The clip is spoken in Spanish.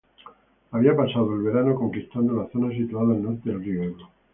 Había pasado el verano conquistando la zona situada al norte del río Ebro.